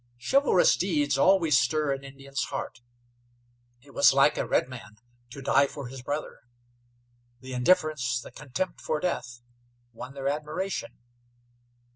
Chivalrous deeds always stir an Indian's heart. It was like a redman to die for his brother. The indifference, the contempt for death, won their admiration.